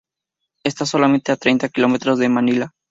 Está solamente a treinta kilómetros de Manila.